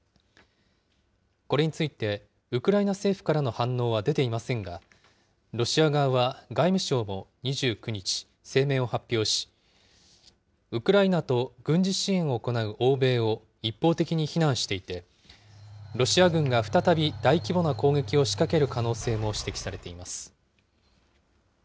これについて、ウクライナ政府からの反応は出ていませんが、ロシア側は外務省も２９日、声明を発表し、ウクライナと軍事支援を行う欧米を一方的に非難していて、ロシア軍が再び大規模な攻撃を仕掛ける可能性も指摘されています。